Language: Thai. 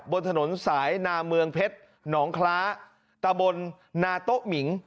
บนถนนสายนาเมืองเพชรหนองคล้าตะบนนาโต๊ะหมิง